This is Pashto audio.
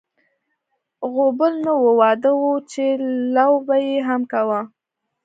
غوبل نه و، واده و چې لو به یې هم کاوه.